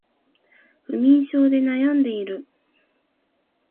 不眠症で悩んでいる